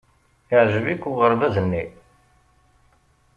Yeɛjeb-ik uɣerbaz-nni?